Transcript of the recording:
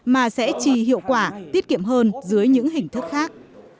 mà sẽ chi hiệu quả tiết kiệm hơn dưới những hình thức khác